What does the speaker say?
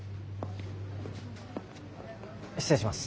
失礼します。